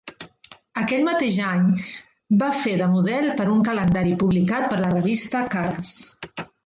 Aquell mateix any, va fer de model per un calendari publicat per la revista Caras.